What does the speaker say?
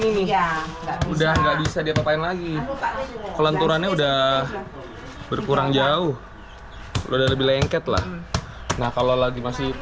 ini ya udah nggak bisa diapapain lagi kelenturannya udah berkurang jauh udah lebih lengket lah nah kalau lagi masih